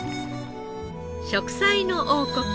『食彩の王国』。